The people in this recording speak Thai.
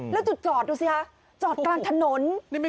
แล้วจุดจอดดูสิคะจอดกลางถนน